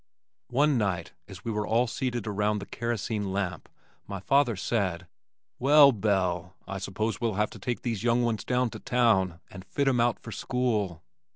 One night as we were all seated around the kerosene lamp my father said, "Well, Belle, I suppose we'll have to take these young ones down to town and fit 'em out for school."